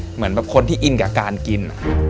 เหมือนแบบคนที่อินกับการกิน